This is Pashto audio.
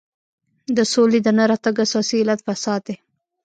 د سولې د نه راتګ اساسي علت فساد دی.